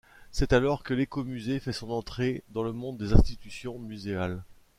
C’est alors que l’écomusée fait son entrée dans le monde des institutions muséales.